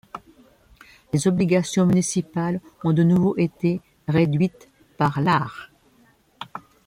Les obligations municipales ont de nouveau été réduites par l'art.